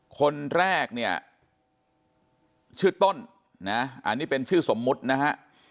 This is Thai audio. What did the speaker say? คนแรกเนี่ยชื่อต้นนะอันนี้เป็นชื่อสมมุตินะฮะ